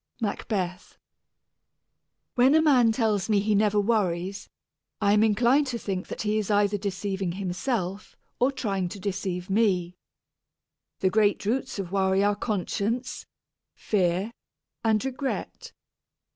MACBETH. When a man tells me he never worries, I am inclined to think that he is either deceiving himself or trying to deceive me. The great roots of worry are conscience, fear, and regret.